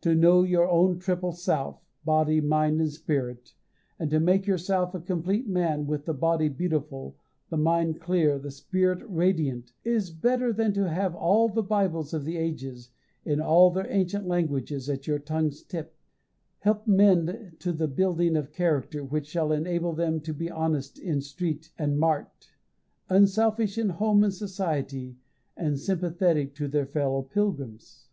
To know your own triple self, body, mind, and spirit, and to make yourself a complete man, with the body beautiful, the mind clear, the spirit radiant, is better than to have all the Bibles of the ages, in all their ancient languages, at your tongue's tip. Help men to the building of character, which shall enable them to be honest in street and mart, unselfish in home and society, and sympathetic to their fellow pilgrims.